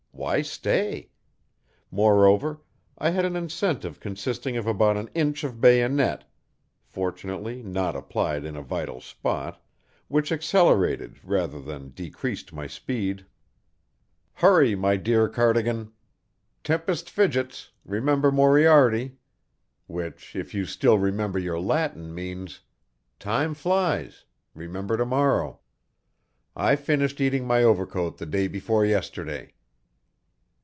Why stay? Moreover, I had an incentive consisting of about an inch of bayonet fortunately not applied in a vital spot which accelerated rather than decreased my speed. Hurry, my dear Cardigan. Tempest fidgets; remember Moriarity which, if you still remember your Latin, means: "Time flies. Remember to morrow!" I finished eating my overcoat the day before yesterday.